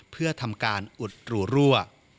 เพื่อทำการอุดหรูรั่ว